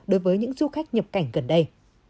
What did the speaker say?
đối với những du khách nhập cảnh gần đây